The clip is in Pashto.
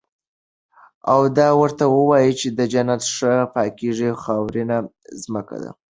او دا ورته ووايه چې د جنت ښه پاکيزه خاورينه زمکه ده